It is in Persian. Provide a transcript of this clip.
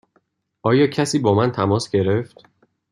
آیا کسی با من تماس گرفت؟